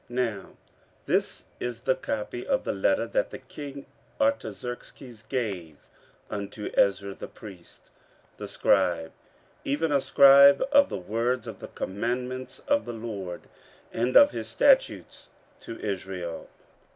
15:007:011 Now this is the copy of the letter that the king Artaxerxes gave unto Ezra the priest, the scribe, even a scribe of the words of the commandments of the LORD, and of his statutes to Israel.